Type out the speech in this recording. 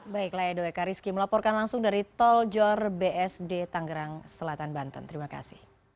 baiklah edo eka rizky melaporkan langsung dari toljor bsd tanggerang selatan banten terima kasih